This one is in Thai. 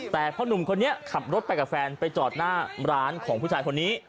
แต่พ่อหนุ่มคนนี้ขับรถไปกับแฟนไปจอดหน้าร้านของผู้ชายคนนี้